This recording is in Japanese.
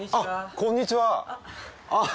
こんにちは。